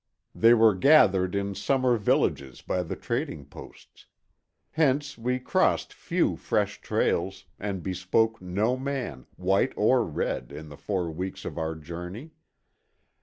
They were gathered in summer villages by the trading posts. Hence we crossed few fresh trails, and bespoke no man, white or red, in the four weeks of our journey.